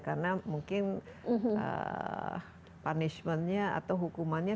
karena mungkin punishmentnya atau hukumannya